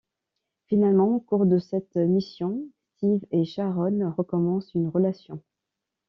Finalement au cours de cette mission, Steve et Sharon recommencent une relation.